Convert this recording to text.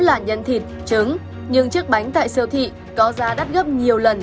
và tất cả chúng đều được sản xuất bằng tay trần như thế này